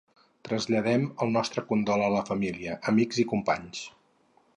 Traslladem el nostre condol a la seva família, amics i companys.